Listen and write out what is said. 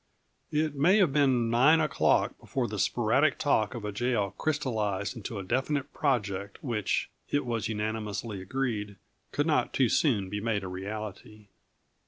It may have been nine o'clock before the sporadic talk of a jail crystallized into a definite project which, it was unanimously agreed, could not too soon be made a reality.